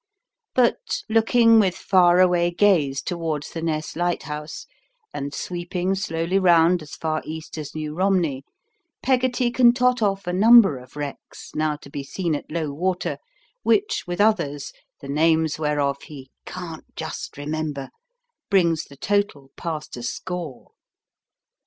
But, looking with far away gaze towards the Ness Lighthouse, and sweeping slowly round as far east as New Romney, Peggotty can tot off a number of wrecks, now to be seen at low water, which with others, the names whereof he "can't just remember," bring the total past a score.